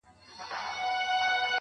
نن د سيند پر غاړه روانــــېـــــــــږمه